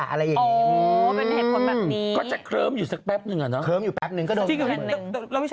อะไรอย่างนี้